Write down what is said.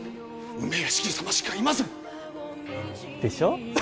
梅屋敷様しかいませんでしょ？